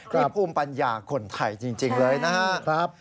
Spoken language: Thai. มีภูมิปัญญาคนไทยจริงเลยนะครับ